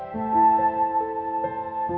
cuma perang tuju